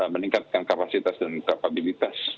meningkatkan kapasitas dan kapabilitas